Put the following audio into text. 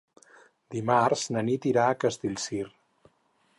Dimarts na Nit irà a Castellcir.